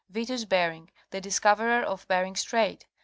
Vitus Bering: the discov _erer of Bering Strait.